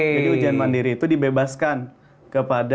jadi ujian mandiri itu dibebaskan kepada